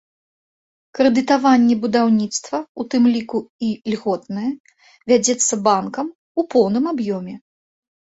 Крэдытаванне будаўніцтва, у тым ліку і льготнае, вядзецца банкам у поўным аб'ёме.